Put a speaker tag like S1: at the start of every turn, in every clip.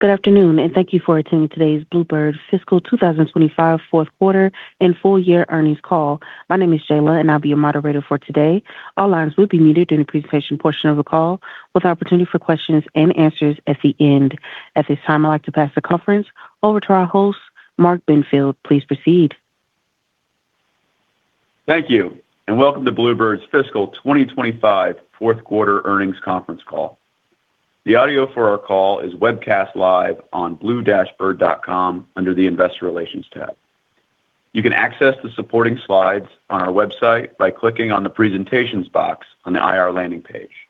S1: Good afternoon, and thank you for attending today's Blue Bird fiscal 2025 fourth quarter and full year earnings call. My name is Jayla, and I'll be your moderator for today. All lines will be muted during the presentation portion of the call, with the opportunity for questions and answers at the end. At this time, I'd like to pass the conference over to our host, Mark Benfield. Please proceed.
S2: Thank you, and welcome to Blue Bird's fiscal 2025 fourth quarter earnings conference call. The audio for our call is webcast live on blue-bird.com under the Investor Relations tab. You can access the supporting slides on our website by clicking on the Presentations box on the IR landing page.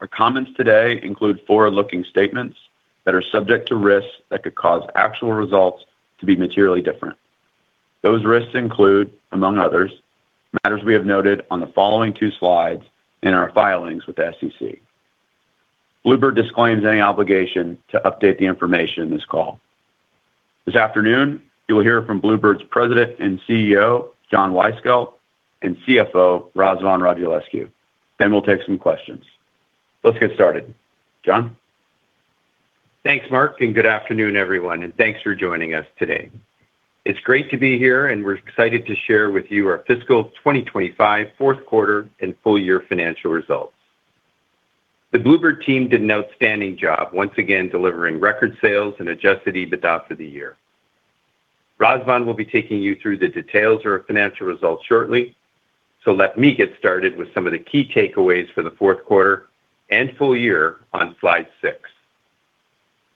S2: Our comments today include forward-looking statements that are subject to risks that could cause actual results to be materially different. Those risks include, among others, matters we have noted on the following two slides in our filings with the SEC. Blue Bird disclaims any obligation to update the information in this call. This afternoon, you will hear from Blue Bird's President and CEO, John Wyskiel, and CFO, Razvan Radulescu. Then we'll take some questions. Let's get started. John?
S3: Thanks, Mark, and good afternoon, everyone, and thanks for joining us today. It's great to be here, and we're excited to share with you our fiscal 2025 fourth quarter and full year financial results. The Blue Bird team did an outstanding job, once again delivering record sales and Adjusted EBITDA for the year. Razvan will be taking you through the details of our financial results shortly, so let me get started with some of the key takeaways for the fourth quarter and full year on slide six.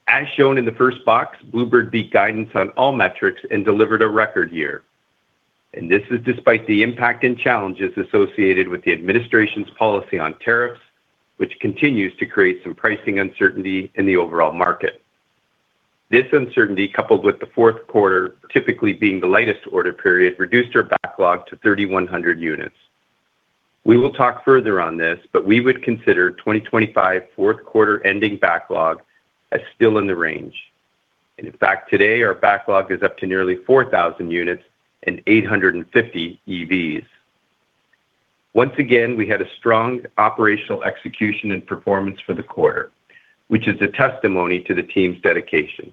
S3: As shown in the first box, Blue Bird beat guidance on all metrics and delivered a record year. This is despite the impact and challenges associated with the administration's policy on tariffs, which continues to create some pricing uncertainty in the overall market. This uncertainty, coupled with the fourth quarter typically being the lightest order period, reduced our backlog to 3,100 units. We will talk further on this, but we would consider 2025 fourth quarter ending backlog as still in the range. In fact, today, our backlog is up to nearly 4,000 units and 850 EVs. Once again, we had a strong operational execution and performance for the quarter, which is a testimony to the team's dedication.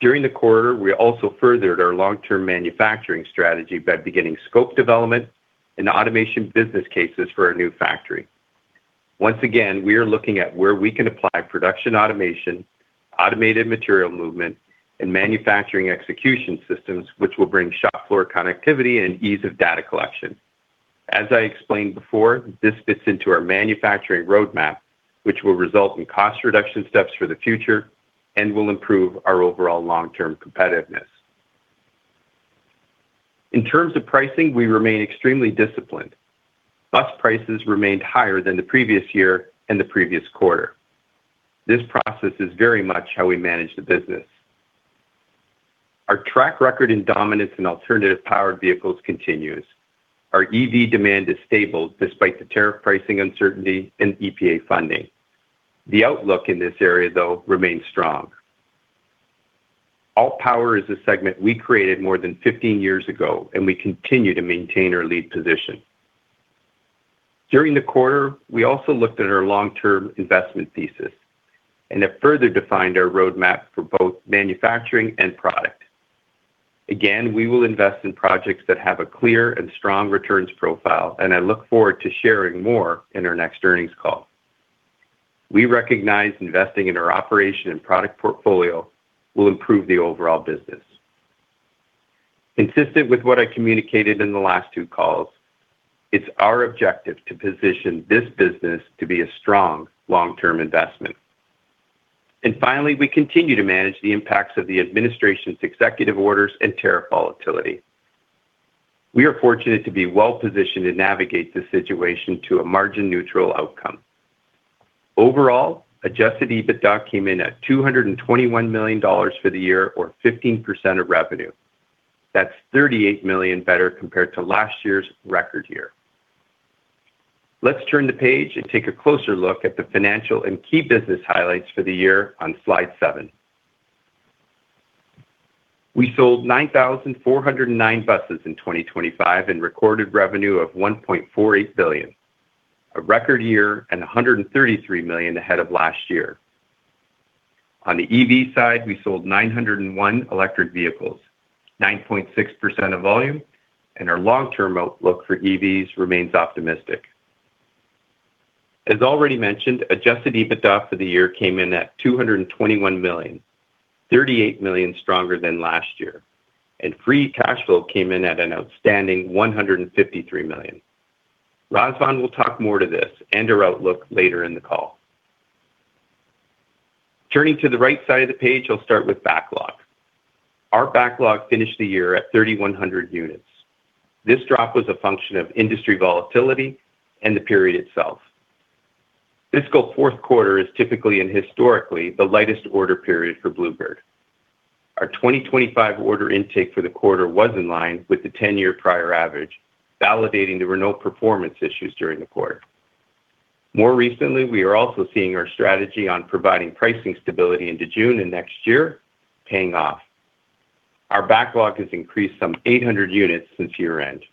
S3: During the quarter, we also furthered our long-term manufacturing strategy by beginning scope development and automation business cases for our new factory. Once again, we are looking at where we can apply production automation, automated material movement, and manufacturing execution systems, which will bring shop floor connectivity and ease of data collection. As I explained before, this fits into our manufacturing roadmap, which will result in cost reduction steps for the future and will improve our overall long-term competitiveness. In terms of pricing, we remain extremely disciplined. Bus prices remained higher than the previous year and the previous quarter. This process is very much how we manage the business. Our track record in dominance and alternative powered vehicles continues. Our EV demand is stable despite the tariff pricing uncertainty and EPA funding. The outlook in this area, though, remains strong. All power is a segment we created more than 15 years ago, and we continue to maintain our lead position. During the quarter, we also looked at our long-term investment thesis, and it further defined our roadmap for both manufacturing and product. Again, we will invest in projects that have a clear and strong returns profile, and I look forward to sharing more in our next earnings call. We recognize investing in our operation and product portfolio will improve the overall business. Consistent with what I communicated in the last two calls, it's our objective to position this business to be a strong long-term investment. Finally, we continue to manage the impacts of the administration's executive orders and tariff volatility. We are fortunate to be well positioned to navigate this situation to a margin-neutral outcome. Overall, Adjusted EBITDA came in at $221 million for the year, or 15% of revenue. That's $38 million better compared to last year's record year. Let's turn the page and take a closer look at the financial and key business highlights for the year on slide seven. We sold 9,409 buses in 2025 and recorded revenue of $1.48 billion, a record year and $133 million ahead of last year. On the EV side, we sold 901 electric vehicles, 9.6% of volume, and our long-term outlook for EVs remains optimistic. As already mentioned, Adjusted EBITDA for the year came in at $221 million, $38 million stronger than last year, and free cash flow came in at an outstanding $153 million. Razvan will talk more to this and our outlook later in the call. Turning to the right side of the page, I'll start with backlog. Our backlog finished the year at 3,100 units. This drop was a function of industry volatility and the period itself. Fiscal fourth quarter is typically and historically the lightest order period for Blue Bird. Our 2025 order intake for the quarter was in line with the 10-year prior average, validating there were no performance issues during the quarter. More recently, we are also seeing our strategy on providing pricing stability into June and next year paying off. Our backlog has increased some 800 units since year-end.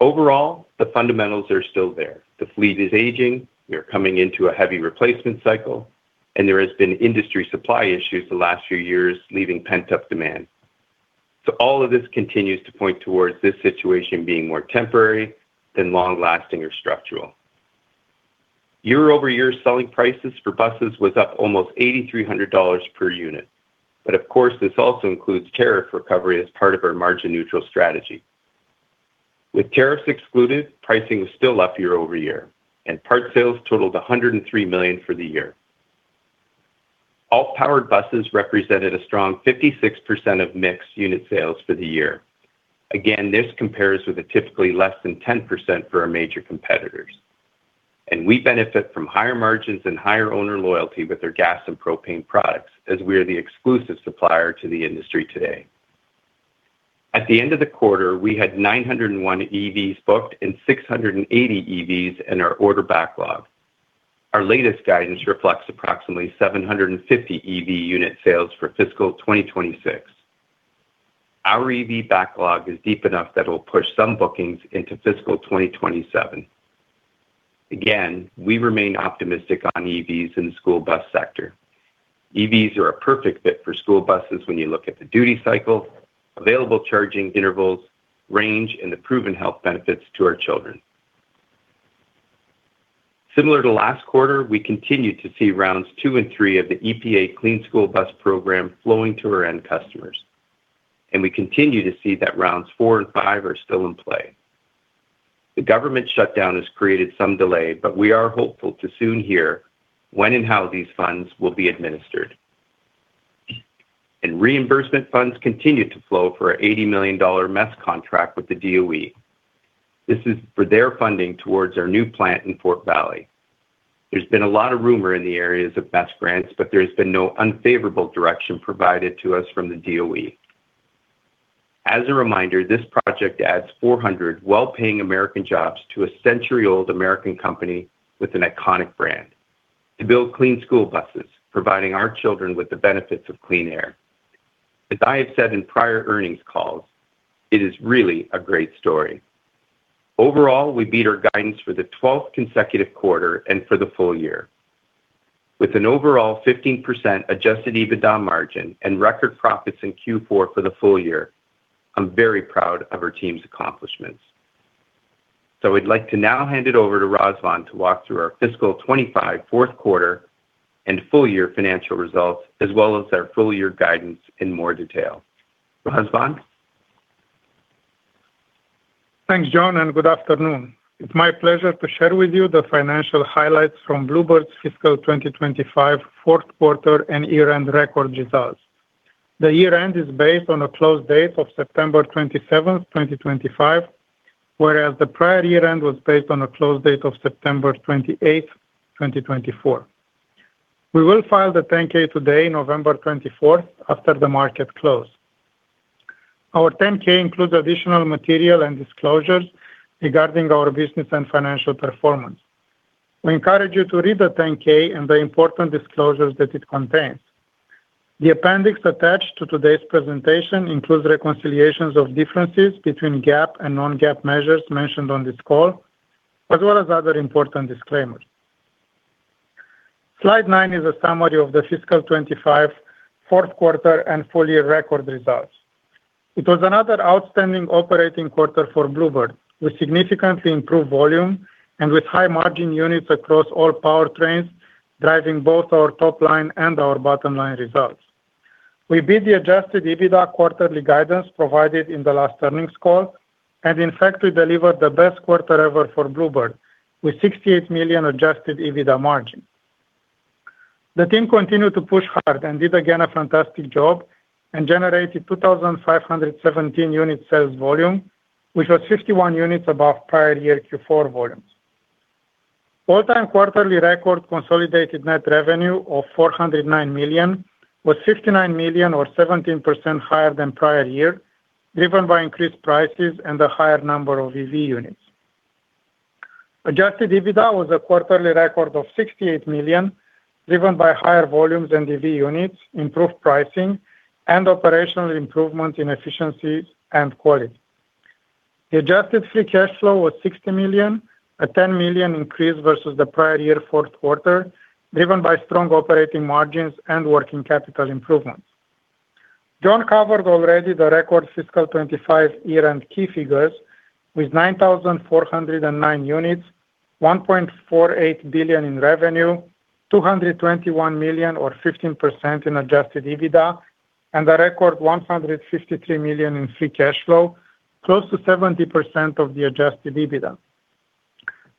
S3: Overall, the fundamentals are still there. The fleet is aging, we are coming into a heavy replacement cycle, and there have been industry supply issues the last few years leaving pent-up demand. All of this continues to point towards this situation being more temporary than long-lasting or structural. Year-over-year selling prices for buses was up almost $8,300 per unit. Of course, this also includes tariff recovery as part of our margin-neutral strategy. With tariffs excluded, pricing was still up year-over-year, and part sales totaled $103 million for the year. All powered buses represented a strong 56% of mixed unit sales for the year. This compares with a typically less than 10% for our major competitors. We benefit from higher margins and higher owner loyalty with our gas and propane products, as we are the exclusive supplier to the industry today. At the end of the quarter, we had 901 EVs booked and 680 EVs in our order backlog. Our latest guidance reflects approximately 750 EV unit sales for fiscal 2026. Our EV backlog is deep enough that it will push some bookings into fiscal 2027. Again, we remain optimistic on EVs in the school bus sector. EVs are a perfect fit for school buses when you look at the duty cycle, available charging intervals, range, and the proven health benefits to our children. Similar to last quarter, we continue to see rounds two and three of the EPA Clean School Bus Program flowing to our end customers. We continue to see that rounds four and five are still in play. The government shutdown has created some delay, but we are hopeful to soon hear when and how these funds will be administered. Reimbursement funds continue to flow for our $80 million MESS contract with the DOE. This is for their funding towards our new plant in Fort Valley. There has been a lot of rumor in the areas of MESS grants, but there has been no unfavorable direction provided to us from the DOE. As a reminder, this project adds 400 well-paying American jobs to a century-old American company with an iconic brand to build clean school buses, providing our children with the benefits of clean air. As I have said in prior earnings calls, it is really a great story. Overall, we beat our guidance for the 12th consecutive quarter and for the full year. With an overall 15% Adjusted EBITDA margin and record profits in Q4 for the full year, I'm very proud of our team's accomplishments. I'd like to now hand it over to Razvan to walk through our Fiscal 2025 fourth quarter and full year financial results, as well as our full year guidance in more detail. Razvan?
S4: Thanks, John, and good afternoon. It's my pleasure to share with you the financial highlights from Blue Bird's fiscal 2025 fourth quarter and year-end record results. The year-end is based on a close date of September 27th, 2025, whereas the prior year-end was based on a close date of September 28th, 2024. We will file the 10-K today, November 24th, after the market close. Our 10-K includes additional material and disclosures regarding our business and financial performance. We encourage you to read the 10-K and the important disclosures that it contains. The appendix attached to today's presentation includes reconciliations of differences between GAAP and non-GAAP measures mentioned on this call, as well as other important disclaimers. Slide nine is a summary of the fiscal 2025 fourth quarter and full year record results. It was another outstanding operating quarter for Blue Bird, with significantly improved volume and with high margin units across all power trains, driving both our top line and our bottom line results. We beat the Adjusted EBITDA quarterly guidance provided in the last earnings call, and in fact, we delivered the best quarter ever for Blue Bird, with $68 million Adjusted EBITDA margin. The team continued to push hard and did again a fantastic job and generated 2,517 units sales volume, which was 51 units above prior year Q4 volumes. All-time quarterly record consolidated net revenue of $409 million was $59 million, or 17% higher than prior year, driven by increased prices and a higher number of EV units. Adjusted EBITDA was a quarterly record of $68 million, driven by higher volumes and EV units, improved pricing, and operational improvements in efficiency and quality. The adjusted free cash flow was $60 million, a $10 million increase versus the prior year fourth quarter, driven by strong operating margins and working capital improvements. John covered already the record fiscal 2025 year-end key figures, with 9,409 units, $1.48 billion in revenue, $221 million, or 15% in Adjusted EBITDA, and a record $153 million in free cash flow, close to 70% of the Adjusted EBITDA.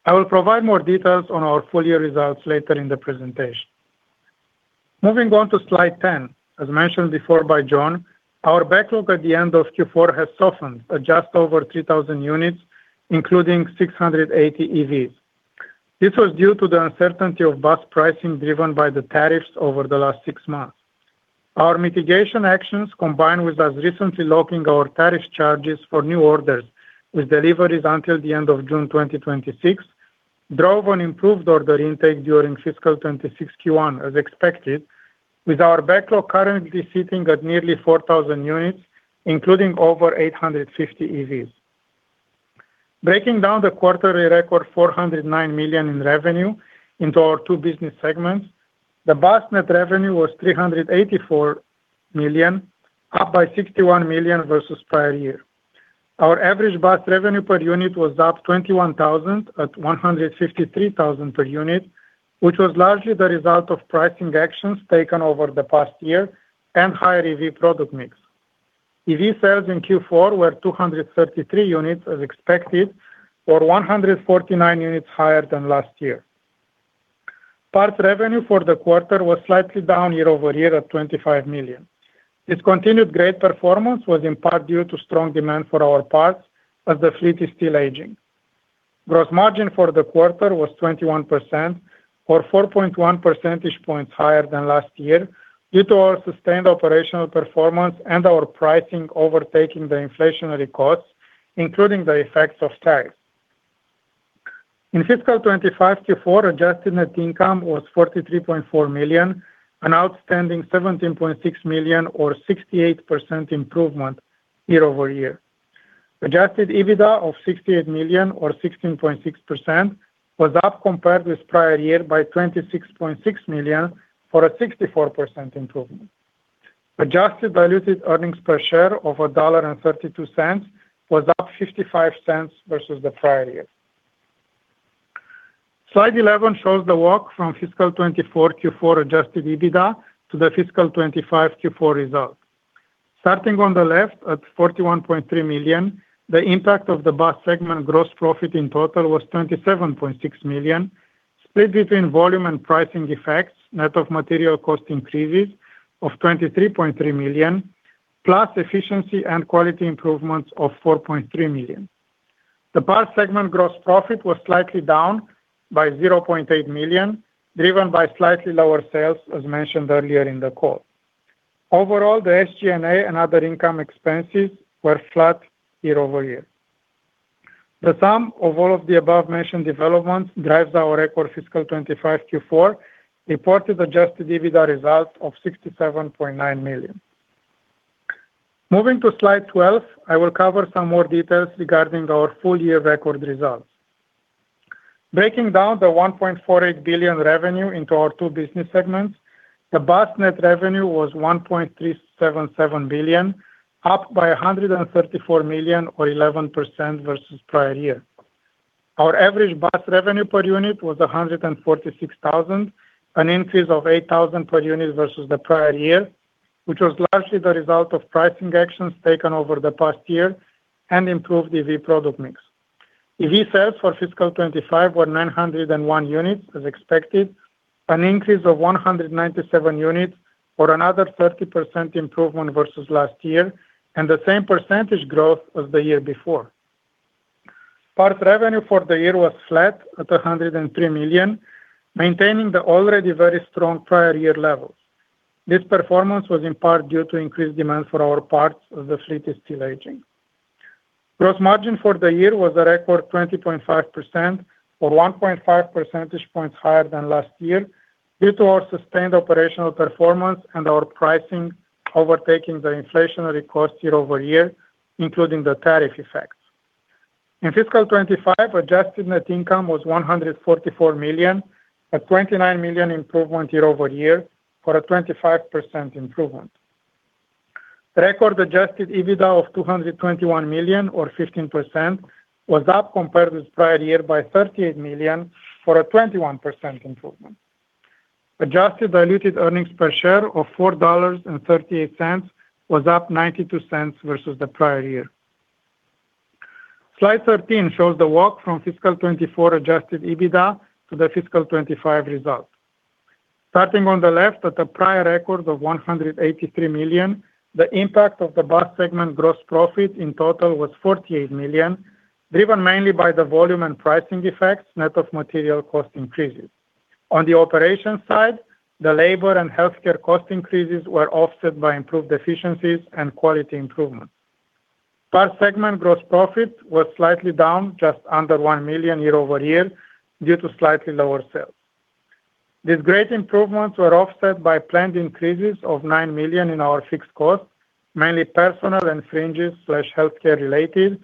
S4: I will provide more details on our full year results later in the presentation. Moving on to slide 10, as mentioned before by John, our backlog at the end of Q4 has softened, just over 3,000 units, including 680 EVs. This was due to the uncertainty of bus pricing driven by the tariffs over the last six months. Our mitigation actions, combined with us recently locking our tariff charges for new orders with deliveries until the end of June 2026, drove an improved order intake during fiscal 2026 Q1, as expected, with our backlog currently sitting at nearly 4,000 units, including over 850 EVs. Breaking down the quarterly record $409 million in revenue into our two business segments, the bus net revenue was $384 million, up by $61 million versus prior year. Our average bus revenue per unit was up $21,000 at $153,000 per unit, which was largely the result of pricing actions taken over the past year and higher EV product mix. EV sales in Q4 were 233 units, as expected, or 149 units higher than last year. Parts revenue for the quarter was slightly down year-over-year at $25 million. This continued great performance was in part due to strong demand for our parts, as the fleet is still aging. Gross margin for the quarter was 21%, or 4.1 percentage points higher than last year due to our sustained operational performance and our pricing overtaking the inflationary costs, including the effects of tariffs. In fiscal 2025 Q4, adjusted net income was $43.4 million, an outstanding $17.6 million, or 68% improvement year-over-year. Adjusted EBITDA of $68 million, or 16.6%, was up compared with prior year by $26.6 million for a 64% improvement. Adjusted diluted earnings per share of $1.32 was up $0.55 versus the prior year. Slide 11 shows the walk from fiscal 2024 Q4 Adjusted EBITDA to the fiscal 2025 Q4 result. Starting on the left at $41.3 million, the impact of the bus segment gross profit in total was $27.6 million, split between volume and pricing effects, net of material cost increases of $23.3 million, plus efficiency and quality improvements of $4.3 million. The bus segment gross profit was slightly down by $0.8 million, driven by slightly lower sales, as mentioned earlier in the call. Overall, the SG&A and other income expenses were flat year-over-year. The sum of all of the above-mentioned developments drives our record fiscal 2025 Q4 reported Adjusted EBITDA result of $67.9 million. Moving to slide 12, I will cover some more details regarding our full year record results. Breaking down the $1.48 billion revenue into our two business segments, the bus net revenue was $1.377 billion, up by $134 million, or 11% versus prior year. Our average bus revenue per unit was $146,000, an increase of $8,000 per unit versus the prior year, which was largely the result of pricing actions taken over the past year and improved EV product mix. EV sales for fiscal 2025 were 901 units, as expected, an increase of 197 units, or another 30% improvement versus last year, and the same percentage growth as the year before. Parts revenue for the year was flat at $103 million, maintaining the already very strong prior year levels. This performance was in part due to increased demand for our parts as the fleet is still aging. Gross margin for the year was a record 20.5%, or 1.5 percentage points higher than last year due to our sustained operational performance and our pricing overtaking the inflationary cost year-over-year, including the tariff effects. In fiscal 2025, adjusted net income was $144 million, a $29 million improvement year-over-year for a 25% improvement. Record Adjusted EBITDA of $221 million, or 15%, was up compared with prior year by $38 million, for a 21% improvement. Adjusted diluted earnings per share of $4.38 was up $0.92 versus the prior year. Slide 13 shows the walk from fiscal 2024 Adjusted EBITDA to the fiscal 2025 result. Starting on the left at a prior record of $183 million, the impact of the bus segment gross profit in total was $48 million, driven mainly by the volume and pricing effects, net of material cost increases. On the operations side, the labor and healthcare cost increases were offset by improved efficiencies and quality improvements. Parts segment gross profit was slightly down, just under $1 million year-over-year due to slightly lower sales. These great improvements were offset by planned increases of $9 million in our fixed cost, mainly personnel and fringes/healthcare related,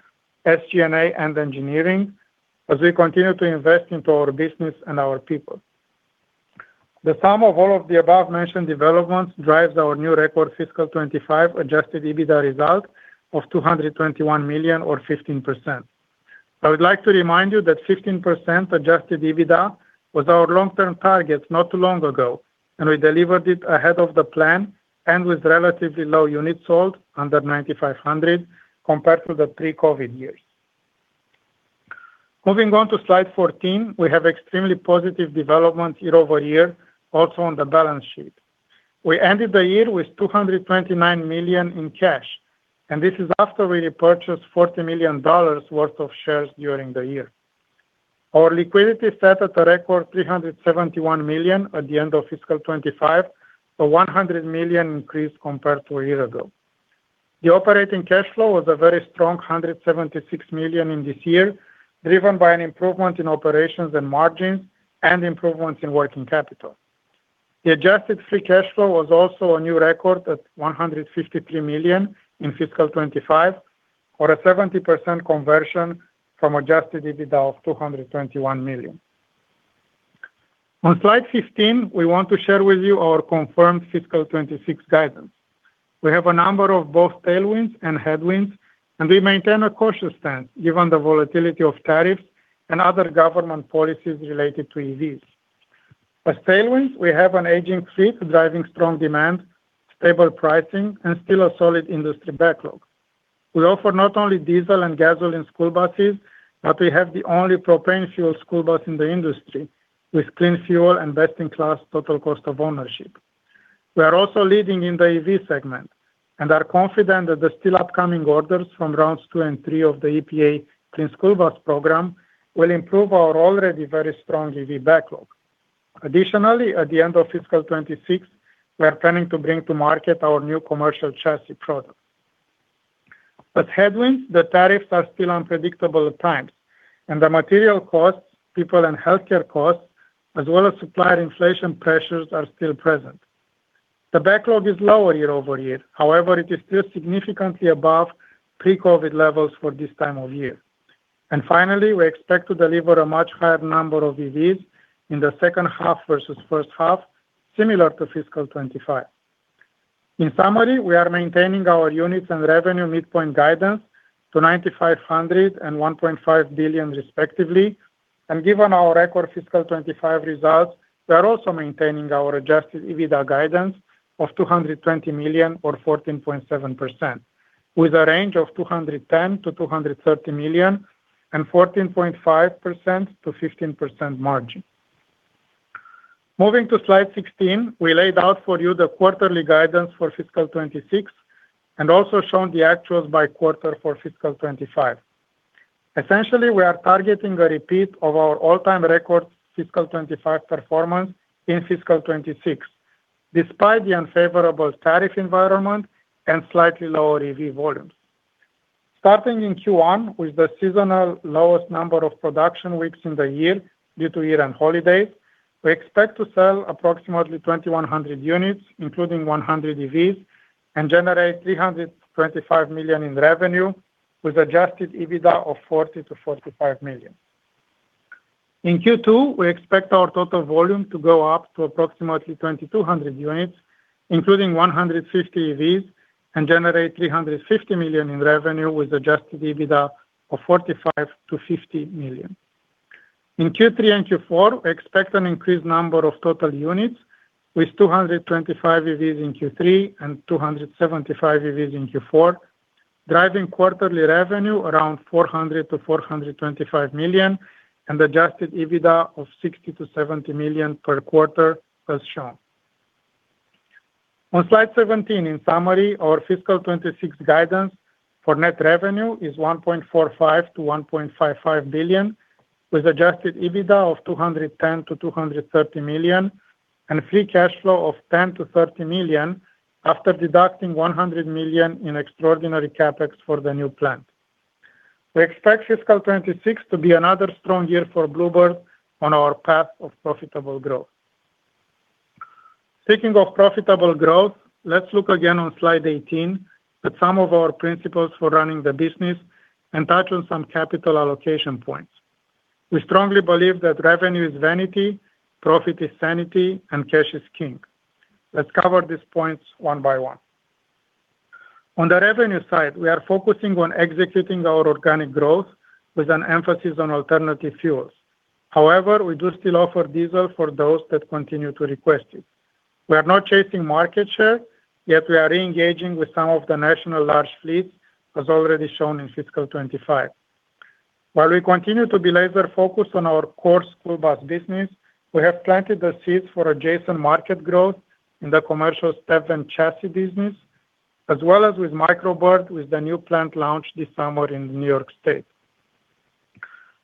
S4: SG&A and engineering, as we continue to invest into our business and our people. The sum of all of the above-mentioned developments drives our new record fiscal 2025 Adjusted EBITDA result of $221 million, or 15%. I would like to remind you that 15% Adjusted EBITDA was our long-term target not too long ago, and we delivered it ahead of the plan and with relatively low units sold, under 9,500, compared to the pre-COVID years. Moving on to slide 14, we have extremely positive developments year-over-year, also on the balance sheet. We ended the year with $229 million in cash, and this is after we repurchased $40 million worth of shares during the year. Our liquidity set at a record $371 million at the end of fiscal 2025, a $100 million increase compared to a year ago. The operating cash flow was a very strong $176 million in this year, driven by an improvement in operations and margins and improvements in working capital. The adjusted free cash flow was also a new record at $153 million in fiscal 2025, or a 70% conversion from Adjusted EBITDA of $221 million. On slide 15, we want to share with you our confirmed fiscal 2026 guidance. We have a number of both tailwinds and headwinds, and we maintain a cautious stance given the volatility of tariffs and other government policies related to EVs. As tailwinds, we have an aging fleet driving strong demand, stable pricing, and still a solid industry backlog. We offer not only diesel and gasoline school buses, but we have the only propane fuel school bus in the industry, with clean fuel and best-in-class total cost of ownership. We are also leading in the EV segment and are confident that the still upcoming orders from rounds two and three of the EPA Clean School Bus Program will improve our already very strong EV backlog. Additionally, at the end of fiscal 2026, we are planning to bring to market our new commercial chassis products. As headwinds, the tariffs are still unpredictable at times, and the material costs, people, and healthcare costs, as well as supplier inflation pressures, are still present. The backlog is lower year-over-year. However, it is still significantly above pre-COVID levels for this time of year. Finally, we expect to deliver a much higher number of EVs in the second half versus first half, similar to fiscal 2025. In summary, we are maintaining our units and revenue midpoint guidance to 9,500 and $1.5 billion, respectively, and given our record fiscal 2025 results, we are also maintaining our Adjusted EBITDA guidance of $220 million, or 14.7%, with a range of $210 million-$230 million and 14.5%-15% margin. Moving to slide 16, we laid out for you the quarterly guidance for fiscal 2026 and also showed the actuals by quarter for fiscal 2025. Essentially, we are targeting a repeat of our all-time record fiscal 2025 performance in fiscal 2026, despite the unfavorable tariff environment and slightly lower EV volumes. Starting in Q1, with the seasonal lowest number of production weeks in the year due to year-end holidays, we expect to sell approximately 2,100 units, including 100 EVs, and generate $325 million in revenue, with Adjusted EBITDA of $40 million-$45 million. In Q2, we expect our total volume to go up to approximately 2,200 units, including 150 EVs, and generate $350 million in revenue, with Adjusted EBITDA of $45 million-$50 million. In Q3 and Q4, we expect an increased number of total units, with 225 EVs in Q3 and 275 EVs in Q4, driving quarterly revenue around $400 million-$425 million and Adjusted EBITDA of $60 million-$70 million per quarter, as shown. On slide 17, in summary, our fiscal 2026 guidance for net revenue is $1.45 billion-$1.55 billion, with Adjusted EBITDA of $210 million-$230 million, and free cash flow of $10 million-$30 million after deducting $100 million in extraordinary CapEx for the new plant. We expect fiscal 2026 to be another strong year for Blue Bird on our path of profitable growth. Speaking of profitable growth, let's look again on slide 18 at some of our principles for running the business and touch on some capital allocation points. We strongly believe that revenue is vanity, profit is sanity, and cash is king. Let's cover these points one by one. On the revenue side, we are focusing on executing our organic growth with an emphasis on alternative fuels. However, we do still offer diesel for those that continue to request it. We are not chasing market share, yet we are reengaging with some of the national large fleets, as already shown in fiscal 2025. While we continue to be laser-focused on our core school bus business, we have planted the seeds for adjacent market growth in the commercial step and chassis business, as well as with Micro Bird with the new plant launched this summer in New York State.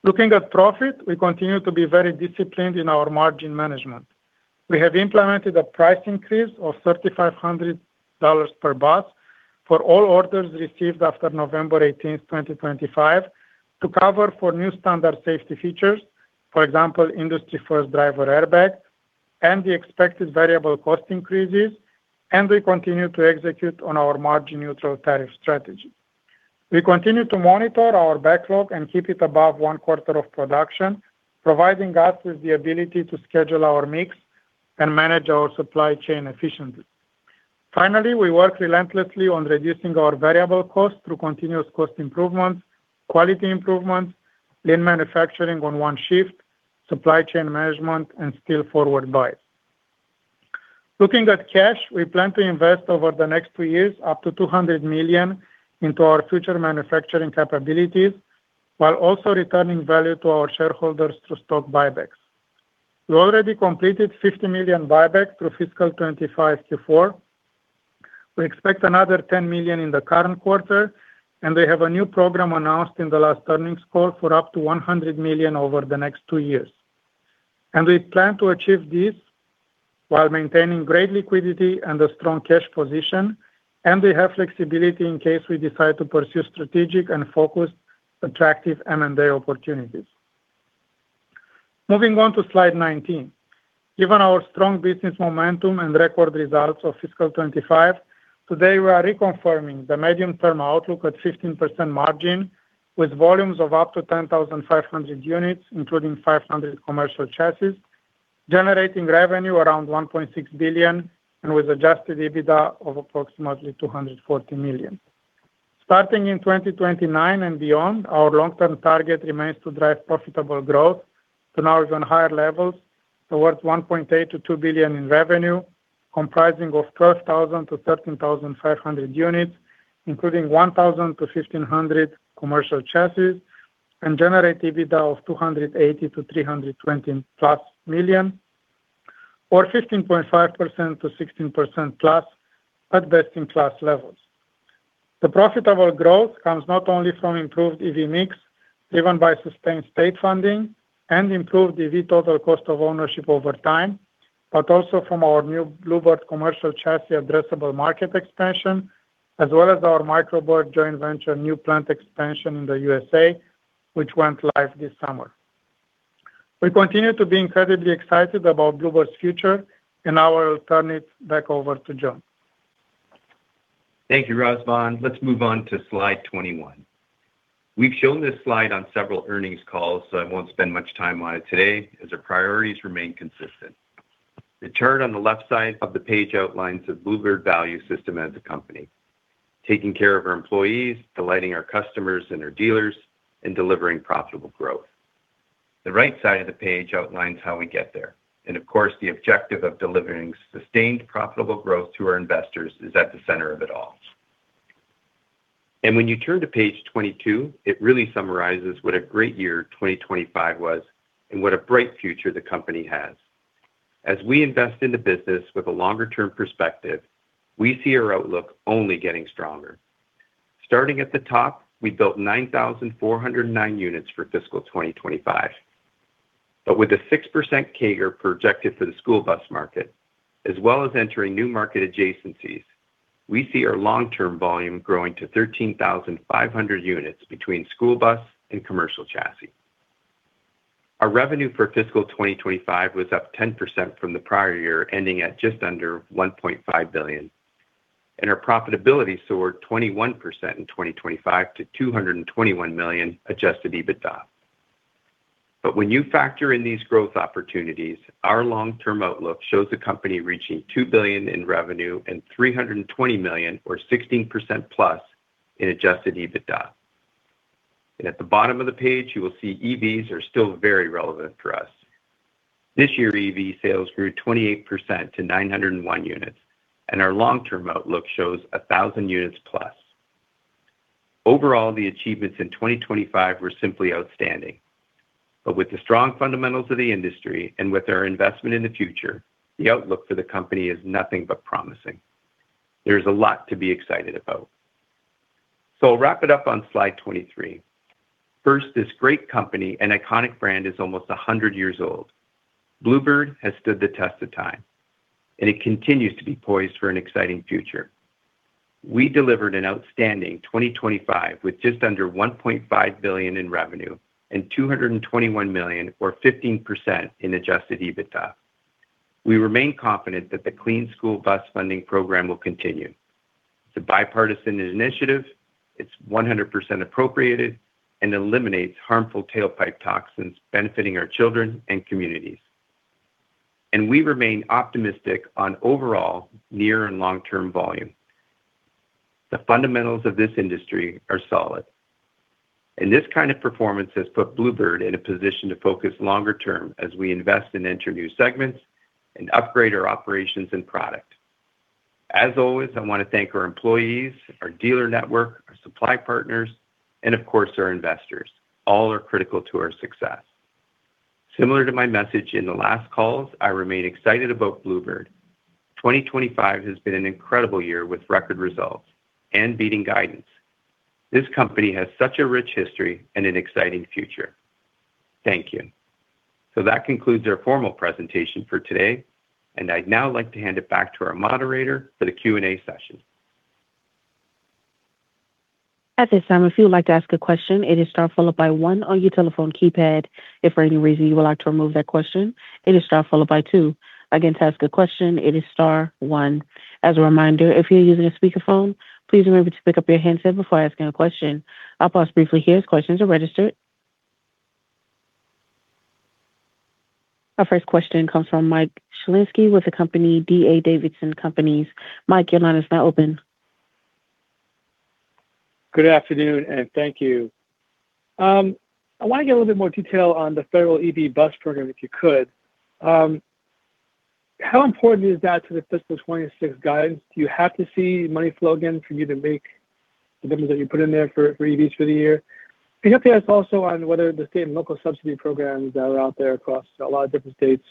S4: Looking at profit, we continue to be very disciplined in our margin management. We have implemented a price increase of $3,500 per bus for all orders received after November 18th, 2025, to cover for new standard safety features, for example, industry-first driver airbag, and the expected variable cost increases, and we continue to execute on our margin-neutral tariff strategy. We continue to monitor our backlog and keep it above one quarter of production, providing us with the ability to schedule our mix and manage our supply chain efficiently. Finally, we work relentlessly on reducing our variable cost through continuous cost improvements, quality improvements, lean manufacturing on one shift, supply chain management, and steel forward bias. Looking at cash, we plan to invest over the next two years up to $200 million into our future manufacturing capabilities, while also returning value to our shareholders through stock buybacks. We already completed $50 million buyback through fiscal 2025 Q4. We expect another $10 million in the current quarter, and we have a new program announced in the last earnings call for up to $100 million over the next two years. We plan to achieve this while maintaining great liquidity and a strong cash position, and we have flexibility in case we decide to pursue strategic and focused, attractive M&A opportunities. Moving on to slide 19. Given our strong business momentum and record results of fiscal 2025, today we are reconfirming the medium-term outlook at 15% margin, with volumes of up to 10,500 units, including 500 commercial chassis, generating revenue around $1.6 billion, and with Adjusted EBITDA of approximately $240 million. Starting in 2029 and beyond, our long-term target remains to drive profitable growth to now even higher levels, towards $1.8 billion-$2 billion in revenue, comprising of 12,000-13,500 units, including 1,000-1,500 commercial chassis, and generate EBITDA of $280 million-$320+ million, or 15.5%-16%+ at best-in-class levels. The profitable growth comes not only from improved EV mix, driven by sustained state funding and improved EV total cost of ownership over time, but also from our new Blue Bird commercial chassis addressable market expansion, as well as our Micro Bird joint venture new plant expansion in the USA, which went live this summer. We continue to be incredibly excited about Blue Bird's future and our alternative back over to John.
S3: Thank you, Razvan. Let's move on to slide 21. We've shown this slide on several earnings calls, so I won't spend much time on it today, as our priorities remain consistent. The chart on the left side of the page outlines the Blue Bird value system as a company: taking care of our employees, delighting our customers and our dealers, and delivering profitable growth. The right side of the page outlines how we get there. Of course, the objective of delivering sustained profitable growth to our investors is at the center of it all. When you turn to page 22, it really summarizes what a great year 2025 was and what a bright future the company has. As we invest in the business with a longer-term perspective, we see our outlook only getting stronger. Starting at the top, we built 9,409 units for fiscal 2025. With a 6% CAGR projected for the school bus market, as well as entering new market adjacencies, we see our long-term volume growing to 13,500 units between school bus and commercial chassis. Our revenue for fiscal 2025 was up 10% from the prior year, ending at just under $1.5 billion. Our profitability soared 21% in 2025 to $221 million Adjusted EBITDA. But when you factor in these growth opportunities, our long-term outlook shows the company reaching $2 billion in revenue and $320 million, or 16%+ in Adjusted EBITDA. At the bottom of the page, you will see EVs are still very relevant for us. This year, EV sales grew 28% to 901 units, and our long-term outlook shows 1,000 units plus. Overall, the achievements in 2025 were simply outstanding. With the strong fundamentals of the industry and with our investment in the future, the outlook for the company is nothing but promising. There is a lot to be excited about. I'll wrap it up on slide 23. First, this great company, an iconic brand as almost 100 years old, Blue Bird has stood the test of time, and it continues to be poised for an exciting future. We delivered an outstanding 2025 with just under $1.5 billion in revenue and $221 million, or 15% in Adjusted EBITDA. We remain confident that the Clean School Bus Funding Program will continue. It's a bipartisan initiative. It's 100% appropriated and eliminates harmful tailpipe toxins benefiting our children and communities. We remain optimistic on overall near and long-term volume. The fundamentals of this industry are solid. This kind of performance has put Blue Bird in a position to focus longer term as we invest and enter new segments and upgrade our operations and product. As always, I want to thank our employees, our dealer network, our supply partners, and of course, our investors. All are critical to our success. Similar to my message in the last calls, I remain excited about Blue Bird. 2025 has been an incredible year with record results and beating guidance. This company has such a rich history and an exciting future. Thank you. That concludes our formal presentation for today, and I'd now like to hand it back to our moderator for the Q&A session.
S1: At this time, if you would like to ask a question, it is star followed by one on your telephone keypad. If for any reason you would like to remove that question, it is star followed by two. Again, to ask a question, it is star one. As a reminder, if you're using a speakerphone, please remember to pick up your handset before asking a question. I'll pause briefly here as questions are registered. Our first question comes from Mike Shlisky with the company, D.A. Davidson Companies. Mike, your line is now open.
S5: Good afternoon, and thank you. I want to get a little bit more detail on the federal EV bus program, if you could. How important is that to the fiscal 2026 guidance? Do you have to see money flow again for you to make the numbers that you put in there for EVs for the year? Can you update us also on whether the state and local subsidy programs that are out there across a lot of different states,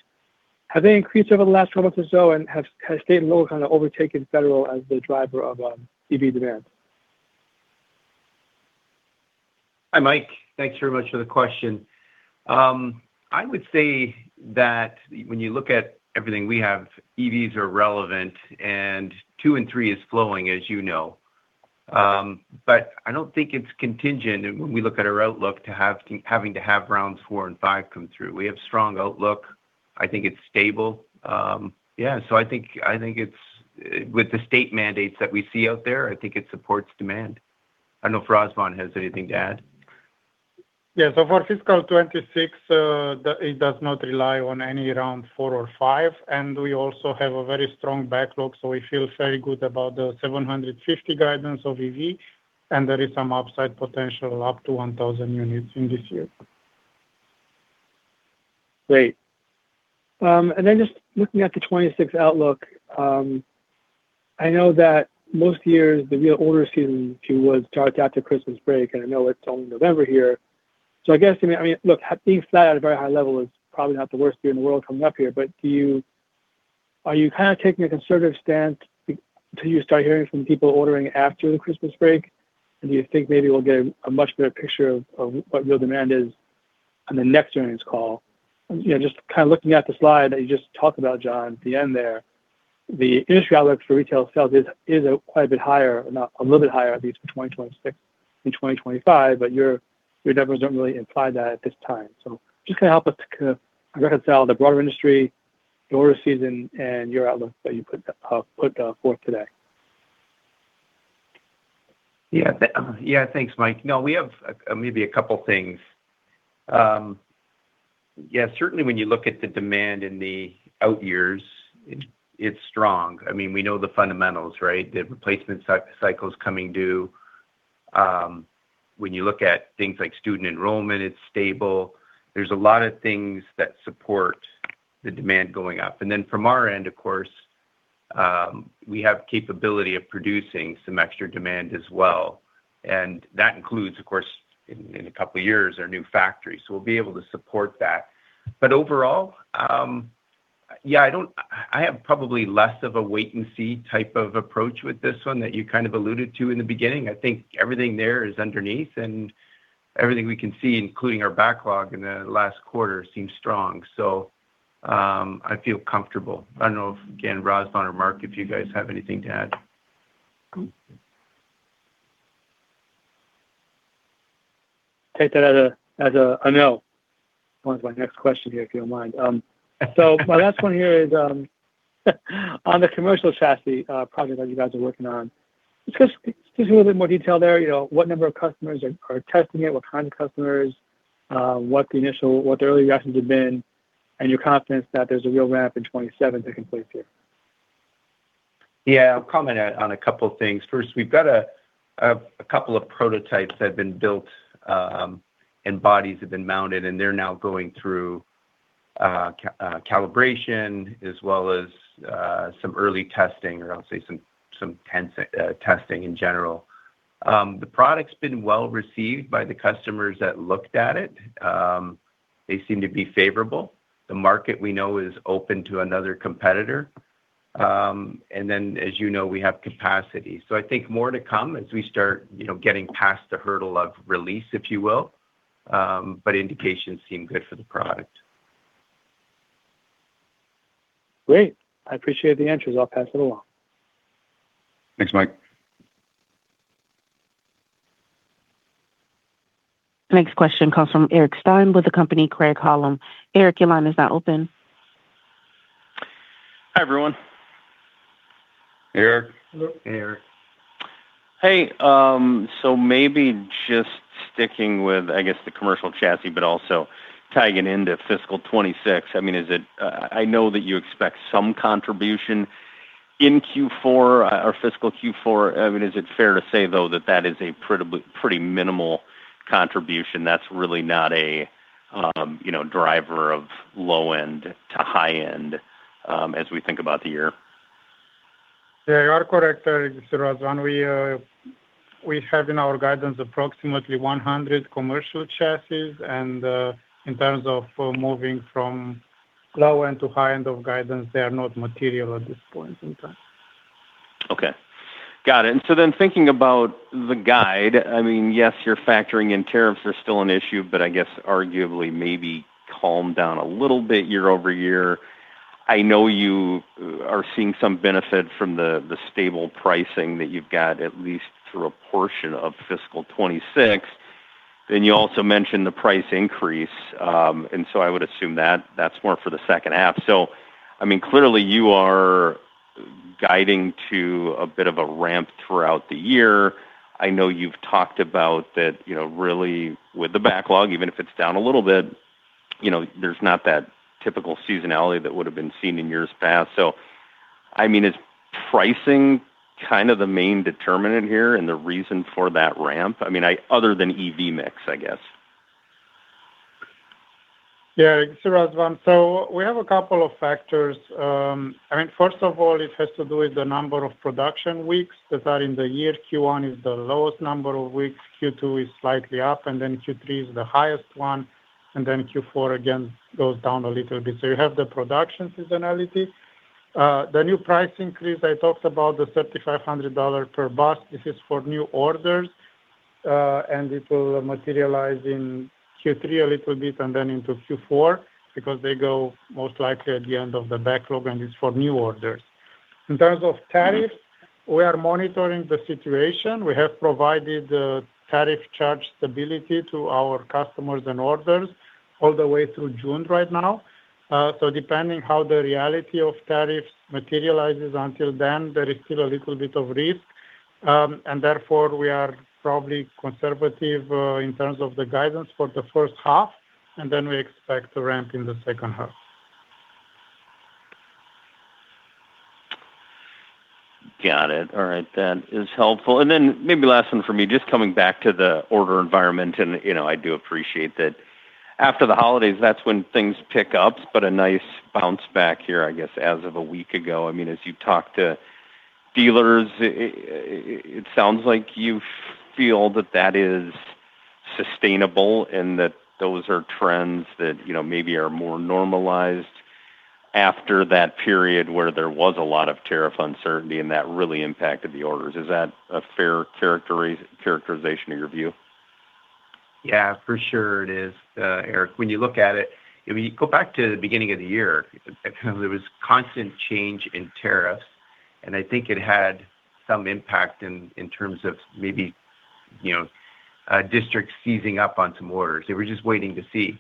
S5: have they increased over the last 12 months or so, and has state and local kind of overtaken federal as the driver of EV demand?
S3: Hi, Mike. Thanks very much for the question. I would say that when you look at everything we have, EVs are relevant, and two and three is flowing, as you know. I don't think it's contingent when we look at our outlook to having to have rounds four and five come through. We have strong outlook. I think it's stable. I think with the state mandates that we see out there, it supports demand. I don't know if Razvan has anything to add.
S4: Yeah, for fiscal 2026, it does not rely on any round four or five, and we also have a very strong backlog, so we feel very good about the 750 guidance of EV, and there is some upside potential up to 1,000 units in this year.
S5: Great. Just looking at the 2026 outlook, I know that most years, the real order season was charged out to Christmas break, and I know it's only November here. I guess, I mean, look, being flat at a very high level is probably not the worst year in the world coming up here, but are you kind of taking a conservative stance until you start hearing from people ordering after the Christmas break? And do you think maybe we'll get a much better picture of what real demand is on the next earnings call? Just kind of looking at the slide that you just talked about, John, at the end there, the industry outlook for retail sales is quite a bit higher, a little bit higher, at least for 2026 and 2025, but your numbers don't really imply that at this time. Just kind of help us to kind of reconcile the broader industry, the order season, and your outlook that you put forth today.
S3: Yeah, thanks, Mike. No, we have maybe a couple of things. Yeah, certainly when you look at the demand in the out years, it's strong. I mean, we know the fundamentals, right? The replacement cycle is coming due. When you look at things like student enrollment, it's stable. There's a lot of things that support the demand going up. From our end, of course, we have capability of producing some extra demand as well. That includes, of course, in a couple of years, our new factory. We will be able to support that. Overall, I have probably less of a wait-and-see type of approach with this one that you kind of alluded to in the beginning. I think everything there is underneath, and everything we can see, including our backlog in the last quarter, seems strong. I feel comfortable. I don't know if, again, Razvan or Mark, if you guys have anything to add.
S5: Take that as a no. One of my next questions here, if you don't mind. My last one here is on the commercial chassis project that you guys are working on. Just give us a little bit more detail there. What number of customers are testing it? What kind of customers? What the initial, what the early reactions have been? Your confidence that there's a real ramp in 2027 to complete here.
S3: Yeah, I'll comment on a couple of things. First, we've got a couple of prototypes that have been built and bodies have been mounted, and they're now going through calibration as well as some early testing, or I'll say some testing in general. The product's been well received by the customers that looked at it. They seem to be favorable. The market we know is open to another competitor. Then, as you know, we have capacity. I think more to come as we start getting past the hurdle of release, if you will, but indications seem good for the product.
S5: Great. I appreciate the answers. I'll pass it along.
S3: Thanks, Mike.
S1: Next question comes from Eric Stine with the company Craig-Hallum. Eric, your line is now open.
S6: Hi, everyone.
S3: Eric.
S4: Hello. Eric.
S6: Hey. Maybe just sticking with, I guess, the commercial chassis, but also tagging into fiscal 2026. I mean, I know that you expect some contribution in Q4, our fiscal Q4. I mean, is it fair to say, though, that that is a pretty minimal contribution? That's really not a driver of low-end to high-end as we think about the year.
S4: Yeah, you are correct. This is Razvan. We have in our guidance approximately 100 commercial chassis, and in terms of moving from low-end to high-end of guidance, they are not material at this point in time.
S6: Okay. Got it. I mean, yes, your factoring and tariffs are still an issue, but I guess arguably maybe calmed down a little bit year over year. I know you are seeing some benefit from the stable pricing that you've got at least through a portion of fiscal 2026. You also mentioned the price increase, and I would assume that that's more for the second half. I mean, clearly, you are guiding to a bit of a ramp throughout the year. I know you've talked about that really with the backlog, even if it's down a little bit, there's not that typical seasonality that would have been seen in years past. I mean, is pricing kind of the main determinant here and the reason for that ramp? I mean, other than EV mix, I guess.
S4: Yeah. This is Razvan. We have a couple of factors. First of all, it has to do with the number of production weeks that are in the year. Q1 is the lowest number of weeks. Q2 is slightly up, and then Q3 is the highest one, and then Q4 again goes down a little bit. You have the production seasonality. The new price increase, I talked about the $3,500 per bus. This is for new orders, and it will materialize in Q3 a little bit and then into Q4 because they go most likely at the end of the backlog, and it is for new orders. In terms of tariffs, we are monitoring the situation. We have provided tariff charge stability to our customers and orders all the way through June right now. Depending on how the reality of tariffs materializes until then, there is still a little bit of risk. Therefore, we are probably conservative in terms of the guidance for the first half, and we expect a ramp in the second half.
S6: Got it. All right. That is helpful. Maybe last one for me, just coming back to the order environment, and I do appreciate that after the holidays, that is when things pick up, but a nice bounce back here, I guess, as of a week ago. I mean, as you talk to dealers, it sounds like you feel that that is sustainable and that those are trends that maybe are more normalized after that period where there was a lot of tariff uncertainty and that really impacted the orders. Is that a fair characterization of your view?
S3: Yeah, for sure it is, Eric. When you look at it, if you go back to the beginning of the year, there was constant change in tariffs, and I think it had some impact in terms of maybe districts seizing up on some orders. They were just waiting to see.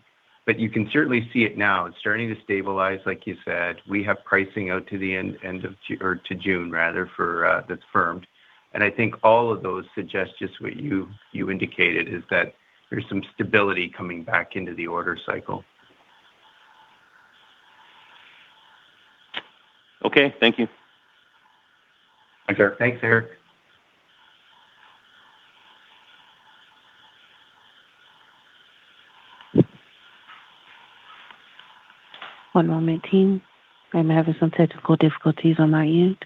S3: You can certainly see it now. It's starting to stabilize, like you said. We have pricing out to the end of or to June, rather, for the firmed. I think all of those suggest just what you indicated is that there's some stability coming back into the order cycle.
S6: Okay. Thank you.
S3: Thanks, Eric.
S4: Thanks, Eric
S1: One moment, team. I'm having some technical difficulties on my end.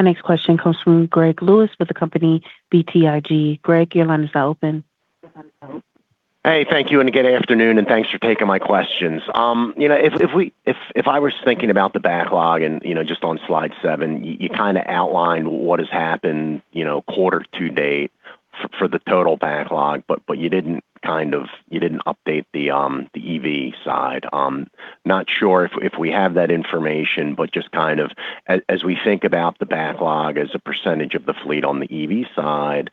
S1: Our next question comes from Greg Lewis with the company BTIG. Greg, your line is now open.
S7: Hey, thank you. A good afternoon, and thanks for taking my questions. If I was thinking about the backlog, and just on slide seven, you kind of outlined what has happened quarter to date for the total backlog, but you didn't kind of you didn't update the EV side. Not sure if we have that information, but just kind of as we think about the backlog as a percentage of the fleet on the EV side,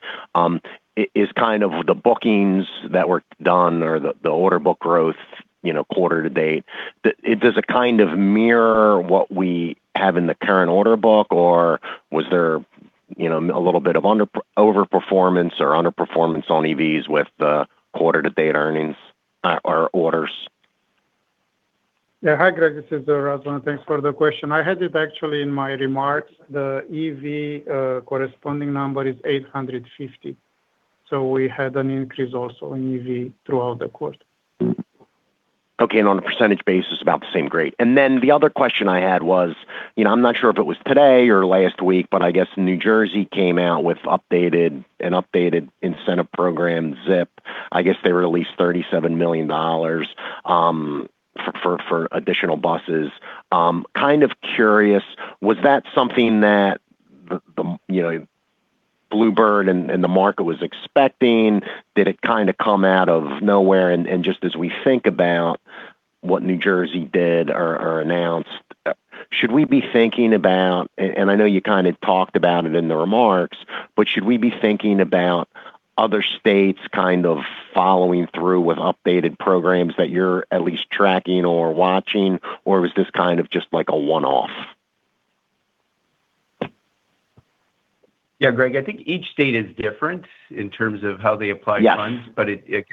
S7: is kind of the bookings that were done or the order book growth quarter to date, does it kind of mirror what we have in the current order book, or was there a little bit of overperformance or underperformance on EVs with the quarter to date earnings or orders?
S4: Yeah. Hi, Greg. This is Razvan. Thanks for the question. I had it actually in my remarks. The EV corresponding number is 850. So we had an increase also in EV throughout the quarter.
S7: Okay. And on a percentage basis, about the same grade. The other question I had was, I'm not sure if it was today or last week, but I guess New Jersey came out with an updated incentive program, ZIP. I guess they released $37 million for additional buses. Kind of curious, was that something that Blue Bird and the market was expecting? Did it kind of come out of nowhere? Just as we think about what New Jersey did or announced, should we be thinking about, and I know you kind of talked about it in the remarks, but should we be thinking about other states kind of following through with updated programs that you're at least tracking or watching, or was this kind of just like a one-off?
S3: Yeah, Greg, I think each state is different in terms of how they apply funds, but I guess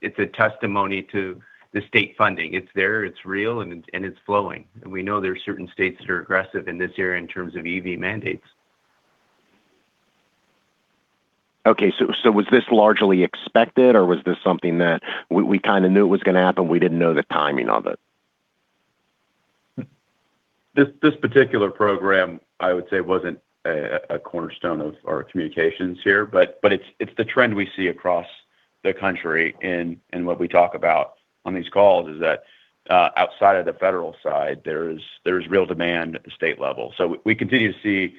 S3: it's a testimony to the state funding.It's there, it's real, and it's flowing. We know there are certain states that are aggressive in this area in terms of EV mandates.
S7: Okay. Was this largely expected, or was this something that we kind of knew was going to happen, we just did not know the timing of it?
S3: This particular program, I would say, was not a cornerstone of our communications here, but it's the trend we see across the country. What we talk about on these calls is that outside of the federal side, there is real demand at the state level. We continue to see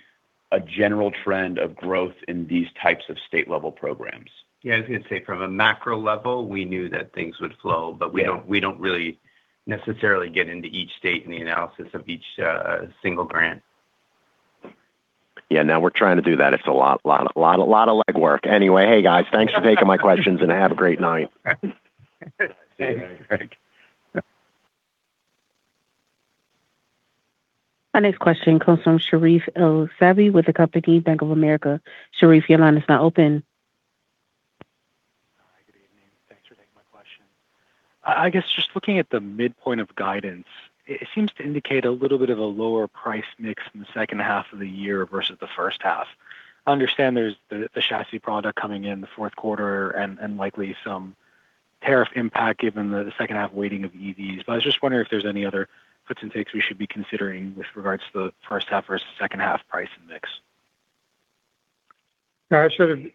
S3: a general trend of growth in these types of state-level programs.
S7: Yeah. I was going to say, from a macro level, we knew that things would flow, but we do not really necessarily get into each state and the analysis of each single grant.
S3: Yeah. Now we're trying to do that. It's a lot of legwork.
S7: Anyway, hey, guys, thanks for taking my questions, and have a great night.
S3: See you, Greg.
S1: Our next question comes from Sherif El-Sabbahy with the company Bank of America. Sherif, your line is now open.
S8: Hi. Good evening. Thanks for taking my question. I guess just looking at the midpoint of guidance, it seems to indicate a little bit of a lower price mix in the second half of the year versus the first half. I understand there's the chassis product coming in the fourth quarter and likely some tariff impact given the second-half weighting of EVs, but I was just wondering if there's any other foot and takes we should be considering with regards to the first-half versus second-half price and mix.
S4: Yeah.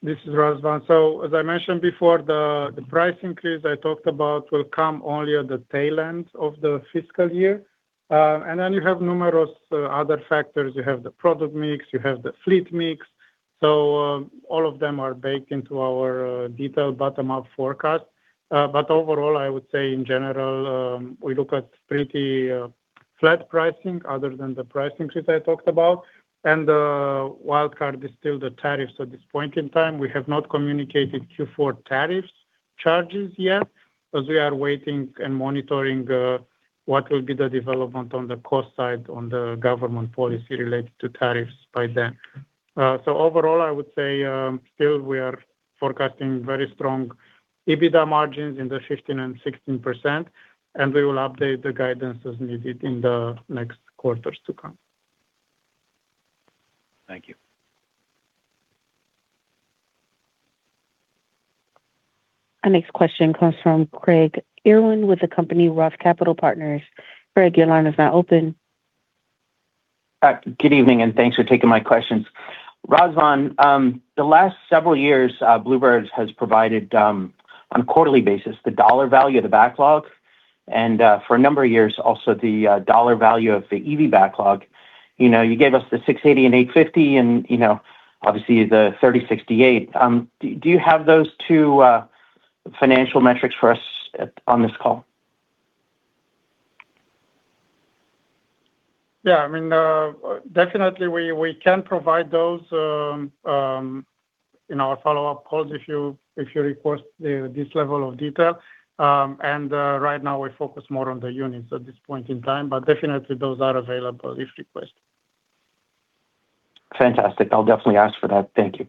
S4: This is Razvan. As I mentioned before, the price increase I talked about will come only at the tail end of the fiscal year. You have numerous other factors. You have the product mix, you have the fleet mix. All of them are baked into our detailed bottom-up forecast. Overall, I would say in general, we look at pretty flat pricing other than the price increase I talked about. Wildcard is still the tariffs at this point in time. We have not communicated Q4 tariff charges yet as we are waiting and monitoring what will be the development on the cost side on the government policy related to tariffs by then. Overall, I would say still we are forecasting very strong EBITDA margins in the 15%-16% range, and we will update the guidance as needed in the next quarters to come.
S8: Thank you.
S1: Our next question comes from Craig Irwin with the company Roth Capital Partners. Craig, your line is now open.
S9: Good evening, and thanks for taking my questions. Razvan, the last several years, Blue Bird has provided on a quarterly basis the dollar value of the backlog, and for a number of years, also the dollar value of the EV backlog. You gave us the 680 and 850, and obviously the 3068. Do you have those two financial metrics for us on this call?
S4: Yeah. I mean, definitely, we can provide those in our follow-up calls if you request this level of detail. Right now, we focus more on the units at this point in time, but definitely, those are available if requested.
S9: Fantastic. I'll definitely ask for that. Thank you.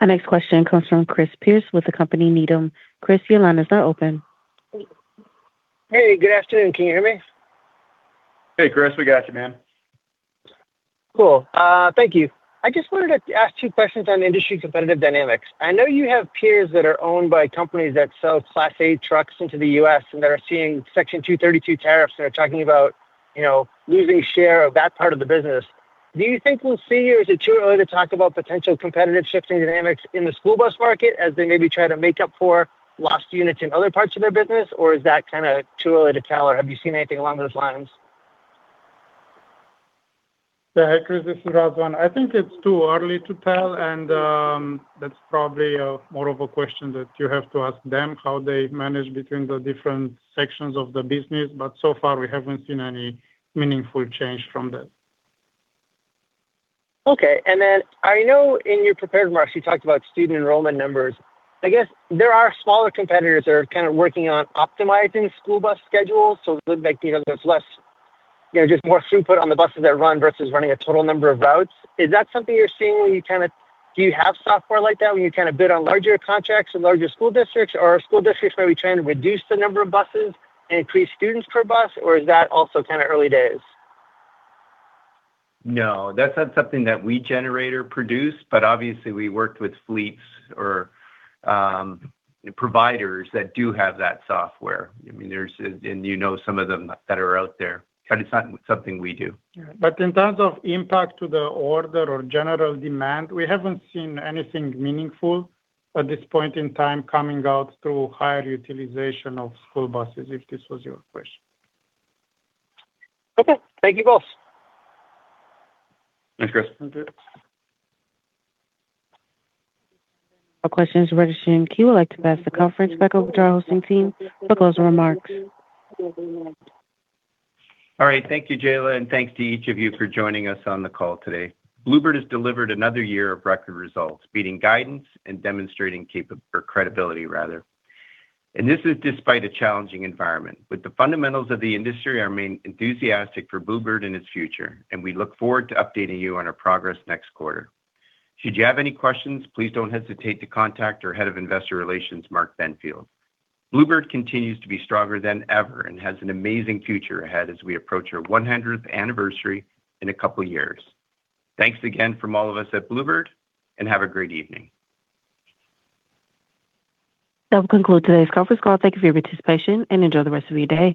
S1: Our next question comes from Chris Pierce with the company Needham. Chris, your line is now open.
S10: Hey, good afternoon. Can you hear me?
S3: Hey, Chris. We got you, man.
S10: Cool. Thank you. I just wanted to ask two questions on industry competitive dynamics. I know you have peers that are owned by companies that sell Class A trucks into the U.S. and that are seeing Section 232 tariffs, and they're talking about losing share of that part of the business. Do you think we'll see, or is it too early to talk about potential competitive shifting dynamics in the school bus market as they maybe try to make up for lost units in other parts of their business, or is that kind of too early to tell, or have you seen anything along those lines?
S4: Yeah, Chris, this is Razvan. I think it's too early to tell, and that's probably more of a question that you have to ask them, how they manage between the different sections of the business, but so far, we haven't seen any meaningful change from that.
S10: Okay. I know in your prepared remarks, you talked about student enrollment numbers. I guess there are smaller competitors that are kind of working on optimizing school bus schedules, so it looks like there's less, just more throughput on the buses that run versus running a total number of routes. Is that something you're seeing where you kind of do you have software like that where you kind of bid on larger contracts and larger school districts, or are school districts maybe trying to reduce the number of buses and increase students per bus, or is that also kind of early days?
S3: No. That's not something that we generate or produce, but obviously, we worked with fleets or providers that do have that software. I mean, and you know some of them that are out there, but it's not something we do.
S4: In terms of impact to the order or general demand, we haven't seen anything meaningful at this point in time coming out through higher utilization of school buses, if this was your question.
S10: Okay. Thank you both.
S3: Thanks, Chris.
S1: Thank you. All questions registered in Q. I'd like to pass the conference back over to our hosting team for closing remarks.
S3: All right. Thank you, Jayla, and thanks to each of you for joining us on the call today. Blue Bird has delivered another year of record results, beating guidance and demonstrating credibility, rather. This is despite a challenging environment. With the fundamentals of the industry, our main enthusiastic for Blue Bird and its future, and we look forward to updating you on our progress next quarter. Should you have any questions, please don't hesitate to contact our Head of Investor Relations, Mark Benfield. Blue Bird continues to be stronger than ever and has an amazing future ahead as we approach our 100th anniversary in a couple of years. Thanks again from all of us at Blue Bird, and have a great evening.
S1: That will conclude today's conference call. Thank you for your participation, and enjoy the rest of your day.